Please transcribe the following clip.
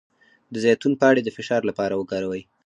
د زیتون پاڼې د فشار لپاره وکاروئ